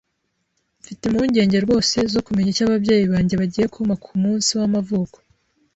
Mfite impungenge rwose zo kumenya icyo ababyeyi banjye bagiye kumpa kumunsi w'amavuko.